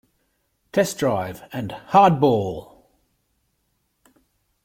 "Test Drive" and "HardBall!